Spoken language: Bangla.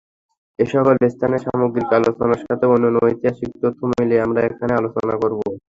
এ সকল স্থানের সামগ্রিক আলোচনার সাথে অন্যান্য ঐতিহাসিক তথ্য মিলিয়ে আমরা এখানে আলোচনা করব।